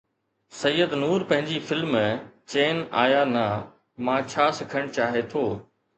سيد نور پنهنجي فلم چين آيا نه مان ڇا سکڻ چاهي ٿو؟